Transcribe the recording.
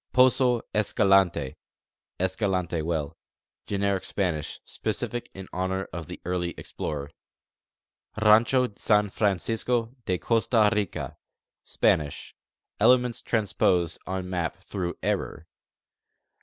Poso Escalante (Escalante well) : Generic Spanish, specific in honor of the early explorer. Rancho San Francisco de Costa Rica: Spanish (elements transposed on map through error).